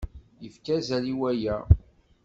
Yefka azal i waya.